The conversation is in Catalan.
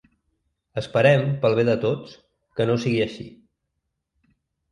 Esperem, pel bé de tots, que no sigui així.